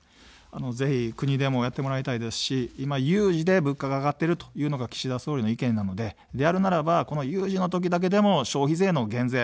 ぜひ国でもやってもらいたいですし、今、有事で物価が上がっているというのが岸田総理の意見なので、であるならば有事の時だけでも消費税の減税。